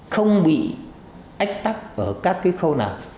không bị ách tắc ở các cái khâu nào